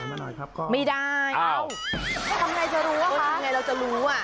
มาหน่อยครับก็ไม่ได้เอ้าทำไงจะรู้อ่ะคะยังไงเราจะรู้อ่ะ